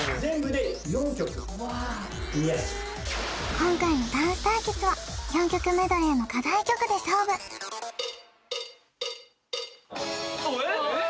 今回のダンス対決は４曲メドレーの課題曲で勝負えっ